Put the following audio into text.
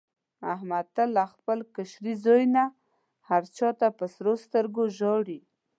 احمد تل له خپل کشري زوی نه هر چا ته په سرو سترګو ژاړي.